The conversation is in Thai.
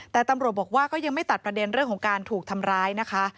แต่ตำรวจบอกว่าก็ยังไม่ตัดประเด็นเรื่องของการถูกทำร้ายนะคะ